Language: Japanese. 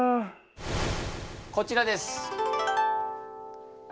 こちらです。